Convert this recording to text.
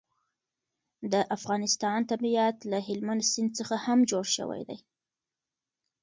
د افغانستان طبیعت له هلمند سیند څخه هم جوړ شوی دی.